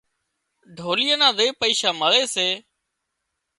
ڍوليئا نا زي پئيشا مۯي سي